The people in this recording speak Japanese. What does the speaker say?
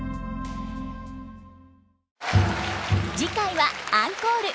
次回はアンコール。